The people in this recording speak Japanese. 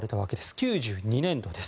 ９２年度です。